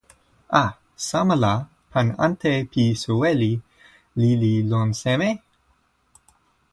a, sama la, pan ante pi soweli lili li lon seme?